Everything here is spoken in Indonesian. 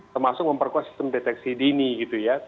termasuk memperkuat sistem deteksi dini gitu ya